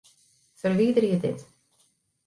Ferwiderje dit.